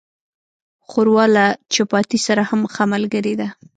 ښوروا له چپاتي سره هم ښه ملګری ده.